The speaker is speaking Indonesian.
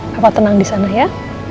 bapak tenang di sana ya